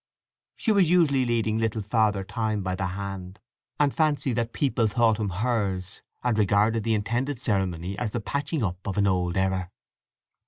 She was usually leading little Father Time by the hand, and fancied that people thought him hers, and regarded the intended ceremony as the patching up of an old error.